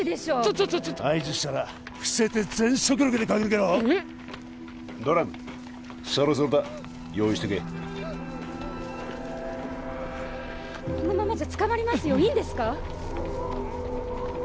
ちょっちょっ合図したら伏せて全速力で駆け抜けろえっ？ドラムそろそろだ用意しとけこのままじゃ捕まりますよいいんですか？